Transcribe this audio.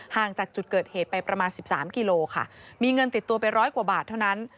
ห่างจากจุดเกิดเหตุไปประมาณ๑๓กิโลค่ะมีเงินติดตัวไปร้อยกว่าบาทเท่านั้น